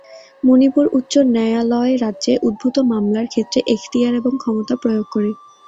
মণিপুর উচ্চ ন্যায়ালয় রাজ্যে উদ্ভূত মামলার ক্ষেত্রে এখতিয়ার এবং ক্ষমতা প্রয়োগ করে।